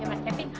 ya mas kevin